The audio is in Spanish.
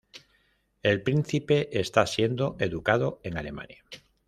El príncipe está siendo educado en Alemania.